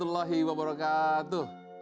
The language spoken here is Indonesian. assalamualaikum wr wb